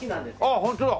あっホントだ！